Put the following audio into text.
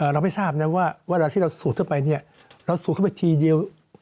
เราไม่ทราบนะว่าเวลาที่เราสูดเข้าไปเนี่ยเราสูดเข้าไปทีเดียว